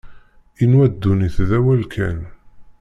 Inwa ddunit d awal kan.